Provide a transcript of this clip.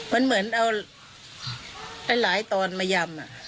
มันเหมือนเอาหลายตอนมายำ